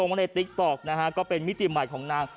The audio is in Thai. ไว้ในติ๊กต๊อกนะฮะก็เป็นมิติใหม่ของนาง